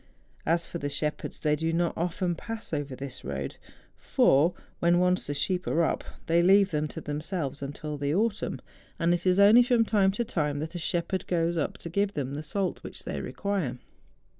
As for the shep¬ herds, they do not often pass over this road; for, when once the sheep are up, they leave them to themselves until the autumn; and it is only from time to time that a shepherd goes up to give them the salt which they require.